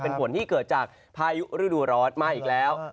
เป็นฝนที่เกิดจากพายุฤดูร้อนมาอีกแล้ว